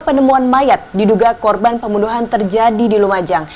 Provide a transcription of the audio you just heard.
penemuan mayat diduga korban pembunuhan terjadi di lumajang